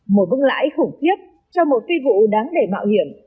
một bức lãi khủng khiếp cho một phi vụ đáng để mạo hiểm